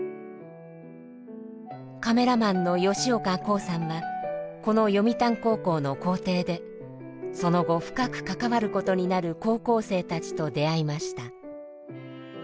カメラマンの吉岡攻さんはこの読谷高校の校庭でその後深く関わることになる高校生たちと出会いました。